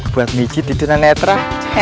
buat miji di tunanetra